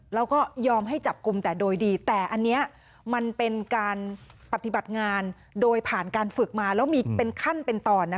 แล้วก็ยอมให้จับกลุ่มแต่โดยดีแต่อันนี้มันเป็นการปฏิบัติงานโดยผ่านการฝึกมาแล้วมีเป็นขั้นเป็นตอน